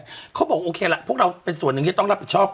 ว่าโอเคละพวกเราเป็นส่วนหนึ่งนี่ต้องรับประช็น